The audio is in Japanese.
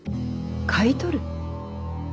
買い取る？